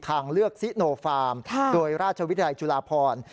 ทางเลือกซิโนฟาร์มโดยราชวิทยาลัยจุฬาพร